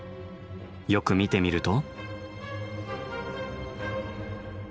よく見てみると。